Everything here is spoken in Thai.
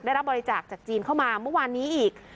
ได้รับบริจาคจากจีนเข้ามาเมื่อวานนี้อีก